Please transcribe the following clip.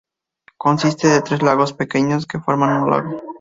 Consiste de tres lagos pequeños que forman un lago.